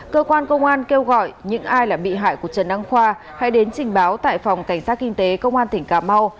cơ quan công an kêu gọi những ai là bị hại của trần đăng khoa hãy đến trình báo tại phòng cảnh sát kinh tế công an tỉnh cà mau